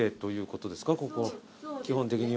ここ基本的には。